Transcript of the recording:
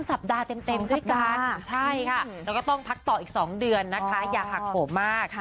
สัปดาห์เต็มด้วยกันใช่ค่ะแล้วก็ต้องพักต่ออีก๒เดือนนะคะอย่าหักโผล่มาก